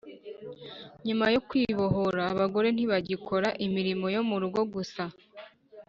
nyuma yo kwibohora abagore ntibagikora imirimo yo mu rugo gusa